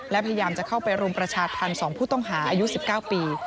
และพยายามจะเข้าไปรุมประชาธรรม๒ผู้ต้องหาอายุ๑๙ปี